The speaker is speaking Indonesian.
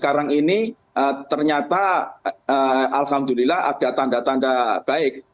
jadi ini ternyata alhamdulillah ada tanda tanda baik